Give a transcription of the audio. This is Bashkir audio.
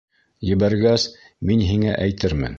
Ебәргәс, мин һиңә әйтермен.